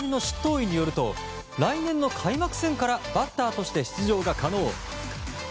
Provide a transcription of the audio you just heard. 医によると来年の開幕戦からバッターとして出場が可能。